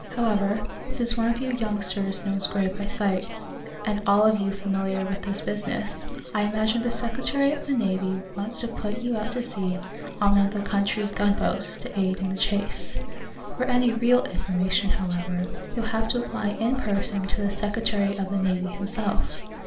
However, since one of you youngsters knows Gray by sight, and you're all of you familiar with this business, I imagine the Secretary of the Navy wants to put you out to sea on one of the country's gunboats, to aid in the chase. For any real information, however, you'll have to apply in person to the Secretary of the Navy himself.